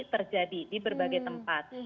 terjadi di berbagai tempat